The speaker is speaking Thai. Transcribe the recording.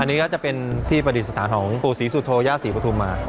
อันนี้ก็จะเป็นทริปฏิสตรราหรือปู่ศรีสุโทษย่าศรีปะทุมาฉ